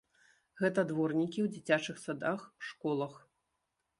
Гэта дворнікі ў дзіцячых садах, школах.